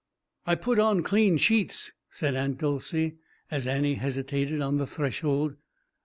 "I put on clean sheets," said Aunt Dolcey as Annie hesitated on the threshold.